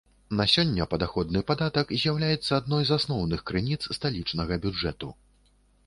На сёння падаходны падатак з'яўляецца адной з асноўных крыніц сталічнага бюджэту.